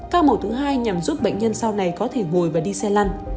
ca mổ thứ hai nhằm giúp bệnh nhân sau này có thể ngồi và đi xe lăn